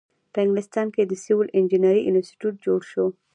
په انګلستان کې د سیول انجینری انسټیټیوټ جوړ شو.